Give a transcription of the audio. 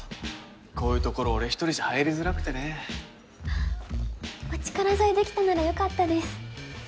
こういうところ俺１人じゃ入りづらくてねお力添えできたならよかったです